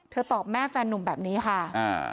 ตอบแม่แฟนนุ่มแบบนี้ค่ะอ่า